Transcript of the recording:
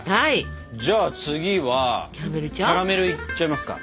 じゃあ次はキャラメルいっちゃいますか。